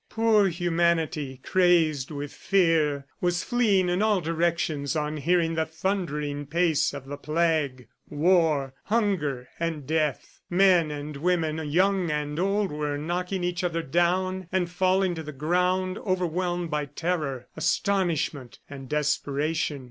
Poor Humanity, crazed with fear, was fleeing in all directions on hearing the thundering pace of the Plague, War, Hunger and Death. Men and women, young and old, were knocking each other down and falling to the ground overwhelmed by terror, astonishment and desperation.